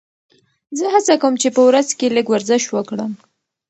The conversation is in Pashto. زه هڅه کوم چې په ورځ کې لږ ورزش وکړم.